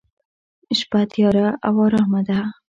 شپه تیاره او ارامه ده.